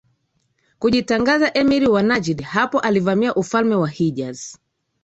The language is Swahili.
kujitangaza Emir wa Najd Hapo alivamia ufalme wa Hijaz